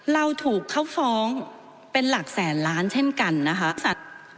เราถูกเข้าฟ้องเป็นหลักแสนล้านเช่นกันนะคะ